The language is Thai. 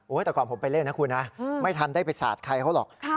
โอ้ยแต่ก่อนผมไปเล่นนะคุณฮะอืมไม่ทันได้ไปสาดใครเขาหรอกครับ